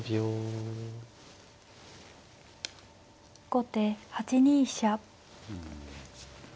後手８二飛車。